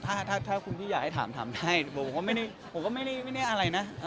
ถ้าคุณพี่อยากให้ถามถามได้ผมก็ไม่ได้อะไรนะ